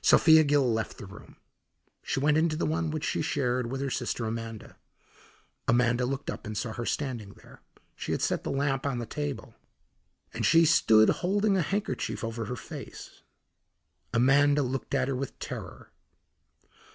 Sophia Gill left the room. She went into the one which she shared with her sister Amanda. Amanda looked up and saw her standing there. She had set the lamp on a table, and she stood holding a handkerchief over her face. Amanda looked at her with terror.